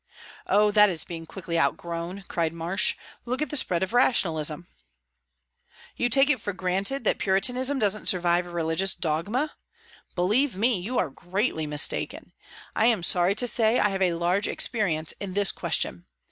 "Oh, that is being quickly outgrown," cried Marsh. "Look at the spread of rationalism." "You take it for granted that Puritanism doesn't survive religious dogma? Believe me, you are greatly mistaken. I am sorry to say I have a large experience in this question.